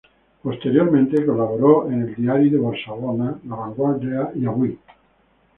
Posteriormente colaboró en Diari de Barcelona, La Vanguardia y Avui.